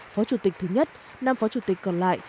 phó chủ tịch thứ nhất năm phó chủ tịch còn lại